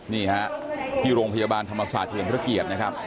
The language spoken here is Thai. นี่ฮะที่โรงพยาบาลธรรมศาสตร์เฉลิมพระเกียรตินะครับ